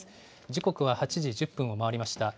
時刻は８時１０分を回りました。